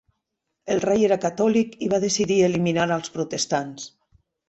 El rei era catòlic i va decidir eliminar els protestants.